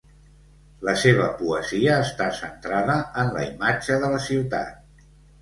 La seva poesia està centrada en la imatge de la ciutat.